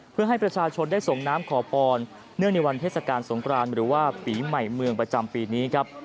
เพื่อให้ประชาชนได้ส่งน้ำขอพรเนื่องในวันเทศกาลสงครานหรือว่าปีใหม่เมืองประจำปีนี้ครับ